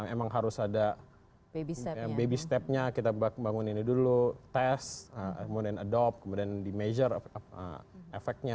emang harus ada baby step nya kita bangunin dulu test kemudian adopt kemudian di measure efeknya